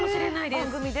番組で。